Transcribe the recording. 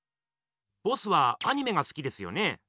ボスはアニメがすきですよね？